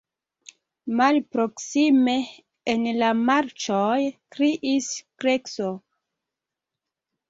Malproksime en la marĉoj kriis krekso.